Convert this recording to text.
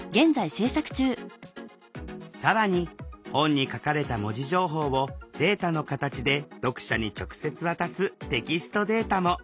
更に本に書かれた文字情報をデータの形で読者に直接渡す「テキストデータ」も。